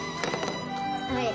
はい。